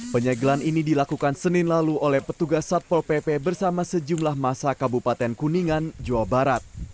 penyegelan ini dilakukan senin lalu oleh petugas satpol pp bersama sejumlah masa kabupaten kuningan jawa barat